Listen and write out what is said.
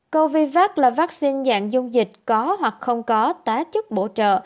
covax là vaccine dạng dung dịch có hoặc không có tá chức bổ trợ